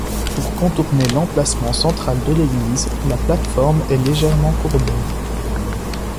Pour contourner l'emplacement central de l'église, la plate-forme est légèrement courbée.